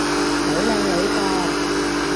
好靚女噃